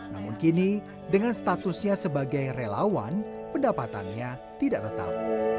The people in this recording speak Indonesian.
namun kini dengan statusnya sebagai relawan pendapatannya tidak tetap